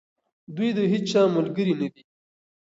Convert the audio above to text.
دوی د هیچا ملګري نه دي.